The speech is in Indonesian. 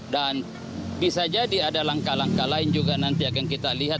dan bisa jadi ada langkah langkah lain juga nanti akan kita lihat